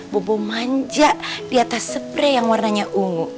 bobo manja diatas spray yang warnanya ungu